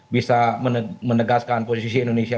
bisa menegaskan posisi indonesia